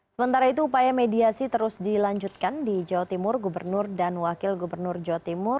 sementara itu upaya mediasi terus dilanjutkan di jawa timur gubernur dan wakil gubernur jawa timur